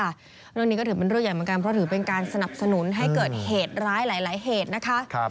เรื่องนี้ก็ถือเป็นเรื่องใหญ่เหมือนกันเพราะถือเป็นการสนับสนุนให้เกิดเหตุร้ายหลายเหตุนะคะ